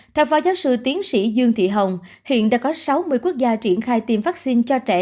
theo phó giáo sư tiến sĩ dương thị hồng hiện đã có sáu mươi quốc gia triển khai tiêm vaccine cho trẻ